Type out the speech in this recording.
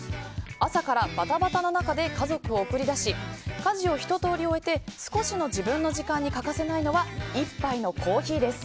朝からバタバタの中で家族を送り出し家事をひと通り終えて少しの自分の時間に欠かせないのは１杯のコーヒーです。